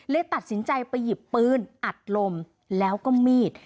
ตัดสินใจไปหยิบปืนอัดลมแล้วก็มีด